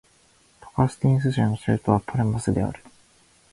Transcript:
トカンティンス州の州都はパルマスである